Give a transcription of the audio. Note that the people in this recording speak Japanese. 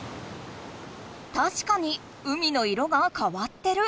たしかに海の色がかわってる！